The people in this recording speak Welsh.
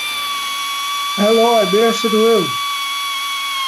Helo Emyr, sut hwyl?